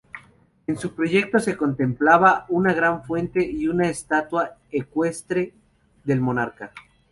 En su proyecto se contemplaba una gran fuente y una estatua ecuestre del monarca.